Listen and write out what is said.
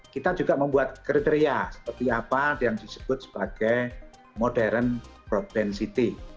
kita juga membuat kriteria seperti apa yang disebut sebagai modern broadband city